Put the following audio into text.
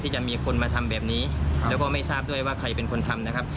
จะมีคนมาทำแบบนี้แล้วก็ไม่ทราบด้วยว่าใครเป็นคนทำนะครับ